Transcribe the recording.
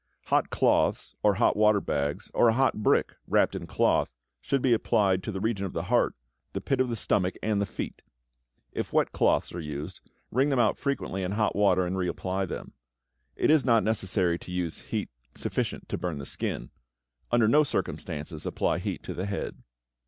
Hot cloths, or hot water bags, or a hot brick wrapped in cloth should be applied to the region of the heart, the pit of the stomach, and the feet. If wet cloths are used, wring them out frequently in hot water and re apply them. It is not necessary to use heat sufficient to burn the skin. Under no circumstances apply heat to the head.